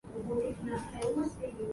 肝心なところで手を抜かない